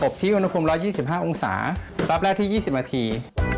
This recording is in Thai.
ที่อุณหภูมิ๑๒๕องศารอบแรกที่๒๐นาที